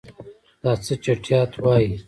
دا څه چټیات وایې.